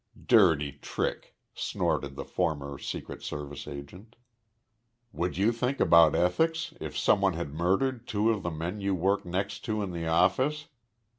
"Dirty trick!" snorted the former Secret Service agent. "Would you think about ethics if some one had murdered two of the men you work next to in the office?